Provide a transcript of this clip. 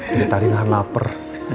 dari tadi gak lapar